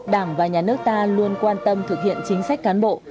đảng và nhà nước ta luôn quan tâm thực hiện chính sách cán bộ